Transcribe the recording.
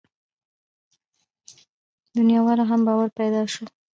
دنياوالو هم باور پيدا شو.